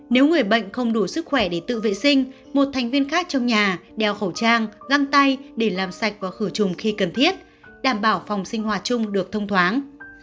nếu người bệnh không đủ sức khỏe để tự vệ sinh một thành viên khác trong nhà đeo khẩu trang găng tay để làm sạch và khử trùng khi cần thiết đảm bảo phòng sinh hòa chung được thông thoáng